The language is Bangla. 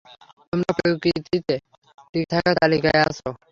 তোমরা প্রকৃতিতে টিকে থাকার তালিকায় আছো।